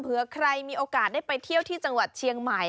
เผื่อใครมีโอกาสได้ไปเที่ยวที่จังหวัดเชียงใหม่